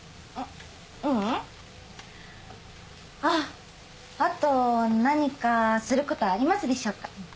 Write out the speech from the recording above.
あっあとは何かすることありますでしょうか？